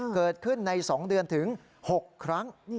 เกิดขึ้นใน๒เดือนถึง๖ครั้ง